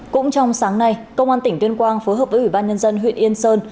cũng trong sáng nay công an tỉnh tuyên quang phối hợp với ủy ban nhân dân huyện yên sơn